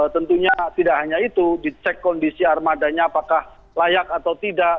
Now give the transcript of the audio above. tentunya tidak hanya itu dicek kondisi armadanya apakah layak atau tidak